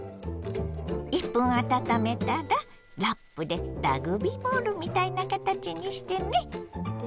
１分あたためたらラップでラグビーボールみたいな形にしてね。